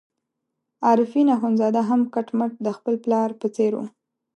عارفین اخندزاده هم کټ مټ د خپل پلار په څېر وو.